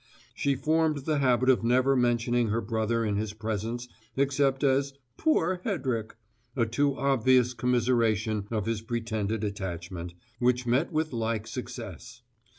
She formed the habit of never mentioning her brother in his presence except as "poor Hedrick," a too obvious commiseration of his pretended attachment which met with like success.